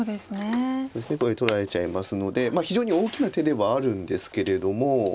これ取られちゃいますので非常に大きな手ではあるんですけれども。